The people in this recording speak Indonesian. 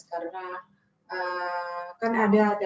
karena kan ada yang berkomitmen